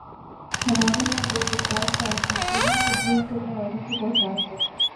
ہمارے ہاں بے روزگار شاعر ملتے ہیں، تبلیغ کرنے والوں کی بہتات ہے۔